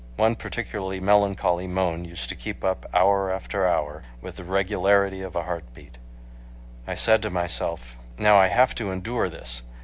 One particularly melancholy moan used to keep up hour after hour, with the regularity of a heart beat. I said to myself, "Now I have to endure this.